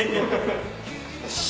よし。